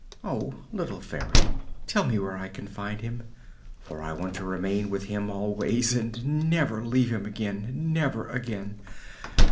Oh, little Fairy, tell me where I can find him, for I want to remain with him always and never leave him again, never again!